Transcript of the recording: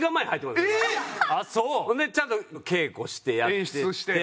ほんでちゃんと稽古してやってって。